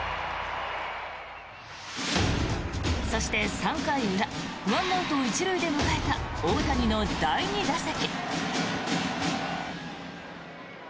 そして、３回裏１アウト１塁で迎えた大谷の第２打席。